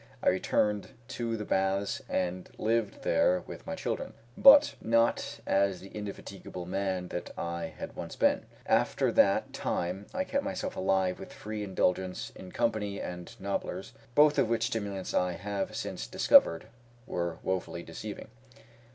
I returned to the baths and lived there with my children; but not as the indefatigable man that I had once been. After that time I kept myself alive with free indulgence in company and nobblers, both of which stimulants I have since discovered were wofully deceiving.